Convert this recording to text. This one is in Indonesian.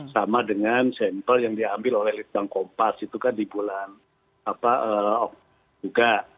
sama dengan sampel yang diambil oleh litbang kompas itu kan di bulan oktober juga